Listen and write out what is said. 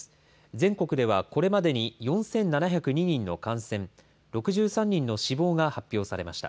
全国ではこれまでに４７０２人の感染、６３人の死亡が発表されました。